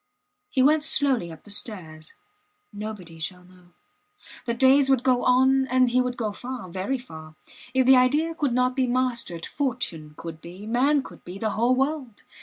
He went slowly up the stairs. Nobody shall know. The days would go on and he would go far very far. If the idea could not be mastered, fortune could be, man could be the whole world.